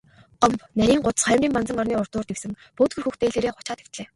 Гомбо нарийхан гудас хоймрын банзан орны урдуур дэвсэн пөөдгөр хөх дээлээрээ хучаад хэвтлээ.